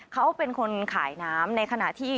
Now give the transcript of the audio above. เขาเป็นคนขายน้ำในขณะที่